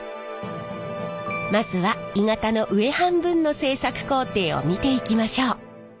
まずは鋳型の上半分の製作工程を見ていきましょう。